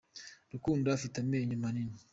Rukundo afite amenyo manini.